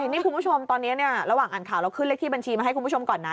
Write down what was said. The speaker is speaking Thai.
นี่คุณผู้ชมตอนนี้ระหว่างอ่านข่าวเราขึ้นเลขที่บัญชีมาให้คุณผู้ชมก่อนนะ